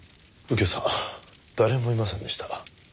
右京さん誰もいませんでした。